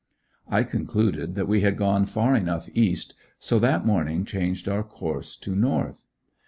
I concluded that we had gone far enough east, so, that morning changed our course to north.